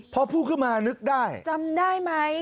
พอพูดขึ้นมานึกได้จำได้ไหม